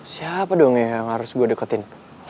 siapa dong ya yang harus gue deketin